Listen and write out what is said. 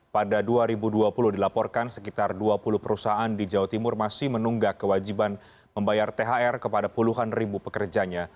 pada dua ribu dua puluh dilaporkan sekitar dua puluh perusahaan di jawa timur masih menunggak kewajiban membayar thr kepada puluhan ribu pekerjanya